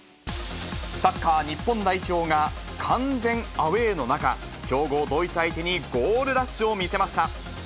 サッカー日本代表が、完全アウエーの中、強豪、ドイツ相手にゴールラッシュを見せました。